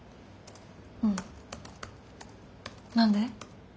うん。何で？